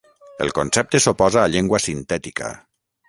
El concepte s'oposa a llengua sintètica.